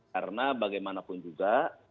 karena bagaimanapun juga